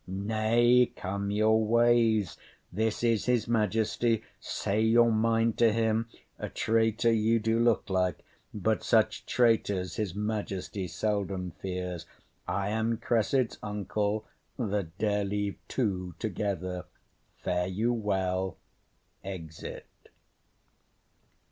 Nay, come your ways. This is his majesty, say your mind to him. A traitor you do look like, but such traitors His majesty seldom fears; I am Cressid's uncle, That dare leave two together. Fare you well. [_Exit.